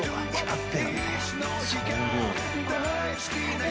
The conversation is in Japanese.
って